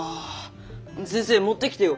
先生持ってきてよ！